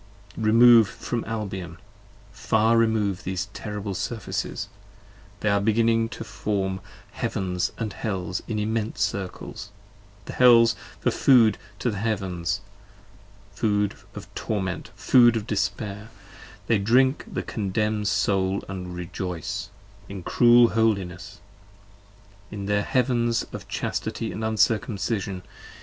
60 Remove from Albion, far remove these terrible surfaces. They are beginning to form Heavens & Hells in immense Circles: the Hells for food to the Heavens: food of torment, Food of despair: they drink the condemnd Soul & rejoice In cruel holiness, in their Heavens of Chastity & Uncircumcision.